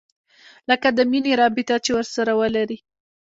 لکه د مينې رابطه چې ورسره ولري.